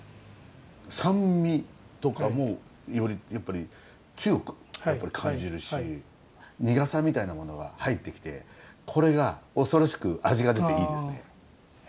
酸味とかもよりやっぱり強く感じるし苦さみたいなものが入ってきてこれが恐ろしく味が出ていいですね。